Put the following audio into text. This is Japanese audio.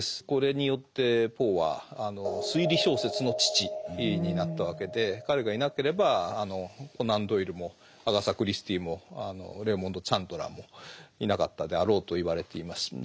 これによってポーは推理小説の父になったわけで彼がいなければあのコナン・ドイルもアガサ・クリスティもレイモンド・チャンドラーもいなかったであろうといわれています。